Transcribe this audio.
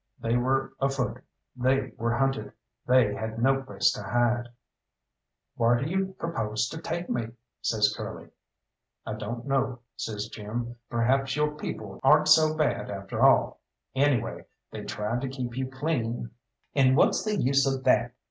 They were afoot, they were hunted, they had no place to hide. "Whar do you propose to take me?" says Curly. "I don't know," says Jim; "perhaps your people aren't so bad after all anyway, they tried to keep you clean." "And what's the use of that?